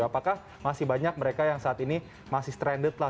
apakah masih banyak mereka yang saat ini masih stranded lah